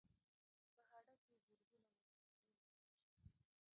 په هډه کې زرګونه مجسمې موندل شوي